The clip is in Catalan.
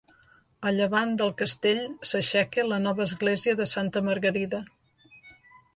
A llevant del castell s'aixeca la nova església de Santa Margarida.